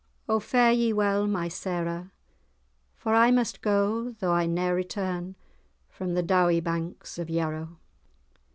O fare ye well, my Sarah! For I must go, though I ne'er return From the dowie banks of Yarrow."